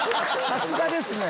「さすがですね！」。